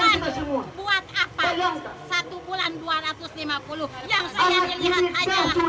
yang saya harapkan bahwa bapak presiden bapak menteri